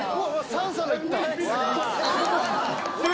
３皿いった！